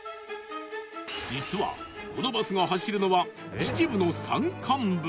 実はこのバスが走るのは秩父の山間部